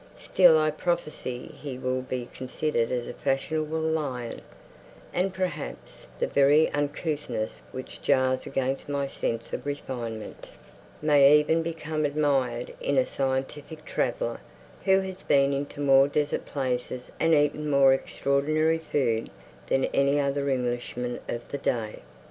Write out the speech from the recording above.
Still I prophesy he will be considered as a fashionable 'lion,' and perhaps the very uncouthness which jars against my sense of refinement, may even become admired in a scientific traveller, who has been into more desert places, and eaten more extraordinary food, than any other Englishman of the day.